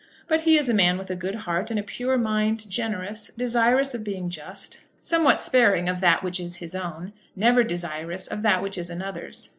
But he is a man with a good heart, and a pure mind, generous, desirous of being just, somewhat sparing of that which is his own, never desirous of that which is another's.